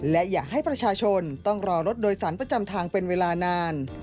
และอย่าให้ประชาชนต้องรอรถโดยสารประจำทางเป็นเวลานาน